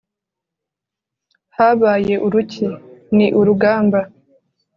habaye uruki? ni urugamba